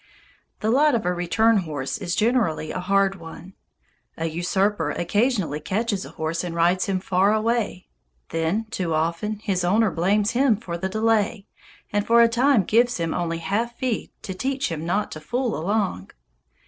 The lot of a return horse is generally a hard one. A usurper occasionally catches a horse and rides him far away. Then, too often, his owner blames him for the delay, and for a time gives him only half feed to "teach him not to fool along."